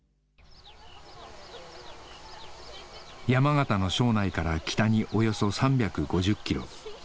山形の庄内から北におよそ３５０ｋｍ